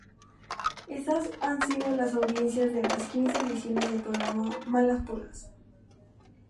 Estas han sido las audiencias de las quince ediciones del programa "Malas pulgas".